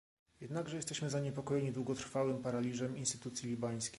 Jednakże jesteśmy zaniepokojeni długotrwałym paraliżem instytucji libańskich